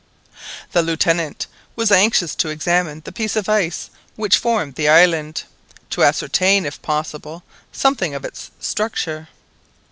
The Lieutenant was anxious to examine the piece of ice which formed the island, to ascertain, if possible, something of its structure.